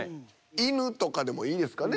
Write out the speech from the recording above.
犬とかでもいいですかね